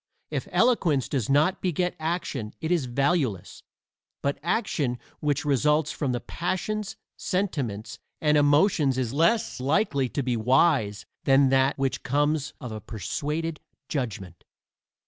If eloquence does not beget action it is valueless; but action which results from the passions, sentiments and emotions is less likely to be wise than that which comes of a persuaded judgment.